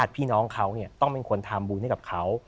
พี่น้องเขาต้องเป็นคนทำบุญให้กับเขา